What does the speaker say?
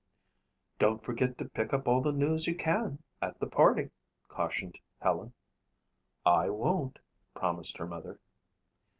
"Don't forget to pick up all the news you can at the party," cautioned Helen. "I won't," promised her mother.